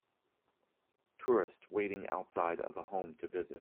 Tourists waiting outside of a home to visit.